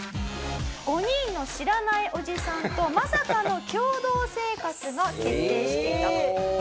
５人の知らないおじさんとまさかの共同生活が決定していたと。